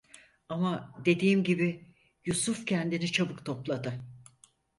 Ama, dediğim gibi, Yusuf kendini çabuk topladı.